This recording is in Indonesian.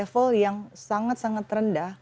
dan entry level yang sangat sangat rendah